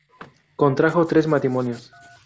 Contrajo tres matrimonios.